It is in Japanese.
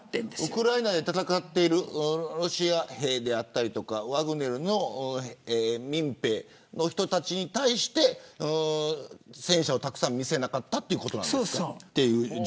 ウクライナで戦っているロシア兵であったりワグネルの民兵の人たちに対して戦車をたくさん見せなかったということであると。